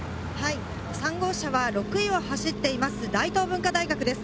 ３号車は６位を走っています大東文化大学です。